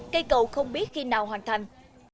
cây cầu không biết khi nào hoàn thành